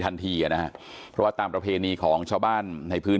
ทันทีอ่ะนะฮะเพราะว่าตามประเพณีของชาวบ้านในพื้น